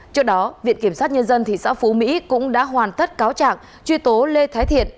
trước đó viện kiểm sát nhân dân thị xã phú mỹ cũng đã hoàn tất cáo trạng truy tố lê thái thiện